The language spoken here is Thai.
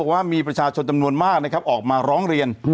ว่ามีประชาชนจำนวนมากนะครับออกมาร้องเรียน